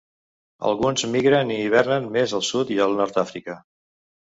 Alguns migren i hivernen més al sud i al nord d'Àfrica.